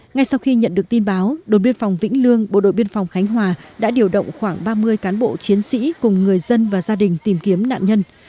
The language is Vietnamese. ngay sau khi nhận được tin báo đội biên phòng vĩnh lương bộ đội biên phòng khánh hòa đã điều động khoảng ba mươi cán bộ chiến sĩ cùng người dân và gia đình tìm kiếm nạn nhân